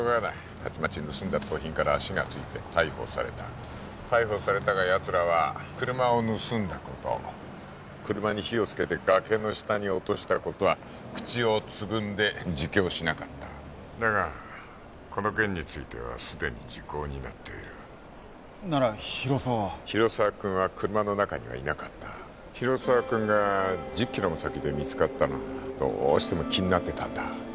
たちまち盗んだ盗品からアシがついて逮捕された逮捕されたがやつらは車を盗んだこと車に火をつけて崖の下に落としたことは口をつぐんで自供しなかっただがこの件についてはすでに時効になっているなら広沢は広沢君は車の中にはいなかった広沢君が１０キロも先で見つかったのがどうしても気になってたんだ